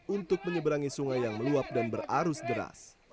untuk menyeberangi sungai yang meluap dan berarus deras